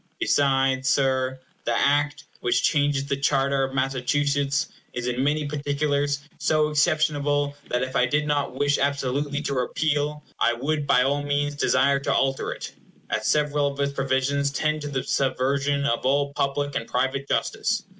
Besides, Sir, the Act which changes the charter of Massachusetts is in many particulars so exceptionable that if I did not wish absolutely to repeal, I would by all means desire to alter it, as several of its provisions tend to the subversion of all public and private justice.